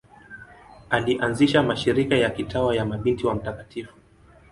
Alianzisha mashirika ya kitawa ya Mabinti wa Mt.